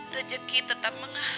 rezeki tetap mengalir pada ibu